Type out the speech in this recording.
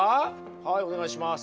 はいお願いします。